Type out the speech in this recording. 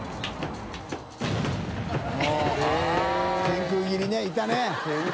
天空斬りねいたね。